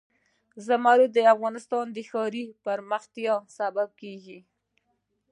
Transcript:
زمرد د افغانستان د ښاري پراختیا سبب کېږي.